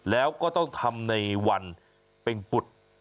แล้วก็ต้องทำในวันเป็นปุฏ